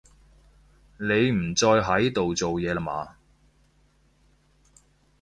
你唔再喺度做嘢啦嘛